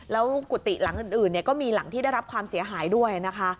แล้วกุฏิหลังอื่นก็มีหลังที่ได้รับความเสียหายด้วยนะคะ